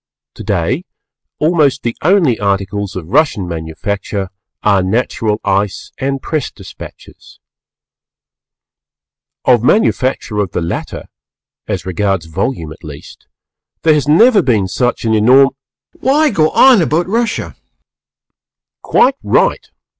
Today almost the only articles of Russian Manufacture are Natural Ice and Press Dispatches. Of manufacture of the latter, as regards volume at least, there has never been such an enorm Why go on about Russia? The Reader. Quite right!